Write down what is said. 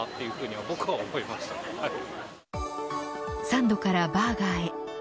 サンドからバーガーへ。